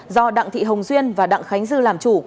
do đặng thị hồng duyên và đặng khánh dư làm chủ